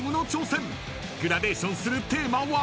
［グラデーションするテーマは］